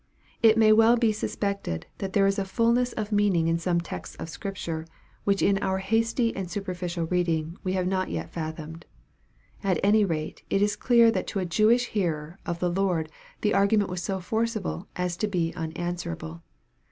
It may well be suspected that there is a fulness of meaning in some texts of Scripture, which in our hasty and superficial reading we have not yet fathomed. At any rate it is clear that to a Jewish hearer of the Lord the argument was so forcible as to be unanswerable.